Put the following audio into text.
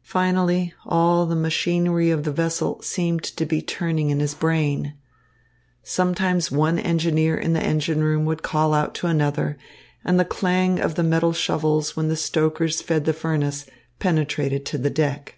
Finally, all the machinery of the vessel seemed to be turning in his brain. Sometimes one engineer in the engine room would call out to another, and the clang of the metal shovels when the stokers fed the furnace penetrated to the deck.